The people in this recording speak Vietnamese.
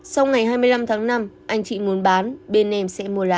sau ngày hai mươi năm tháng năm anh chị muốn bán bên em sẽ mua lá